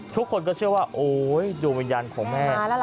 ทุกคนก็เชื่อว่าโอ๊ยดวงวิญญาณของแม่